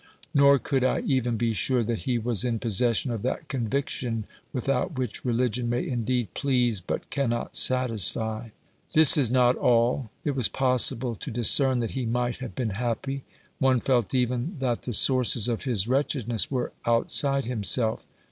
Nor could I even be sure that he was in possession of that conviction without which religion may indeed please but cannot satisfy. This is not all ; it was possible to discern that he might have been happy; one felt even that the sources of his wretchedness were outside himself.